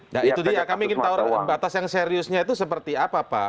nah itu dia kami ingin tahu batas yang seriusnya itu seperti apa pak